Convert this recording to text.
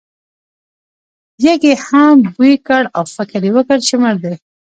یږې هغه بوی کړ او فکر یې وکړ چې مړ دی.